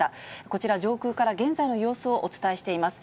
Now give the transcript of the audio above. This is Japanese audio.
こちら、上空から現在の様子をお伝えしています。